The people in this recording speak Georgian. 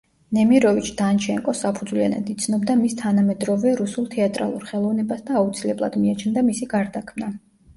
ნემიროვიჩ-დანჩენკო საფუძვლიანად იცნობა მის თანამედროვე რუსულ თეატრალურ ხელოვნებას და აუცილებლად მიაჩნდა მისი გარდაქმნა.